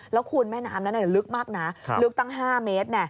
แล้วคุณแม่น้ำนั้นลึกมากนะลึกตั้ง๕เมตร